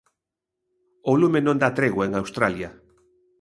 O lume non dá tregua en Australia.